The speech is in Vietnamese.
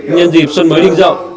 nhân dịp xuân mới đinh dậu